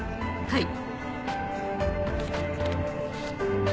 はい。